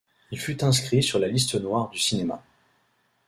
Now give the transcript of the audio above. Il fut inscrit sur la liste noire du cinéma.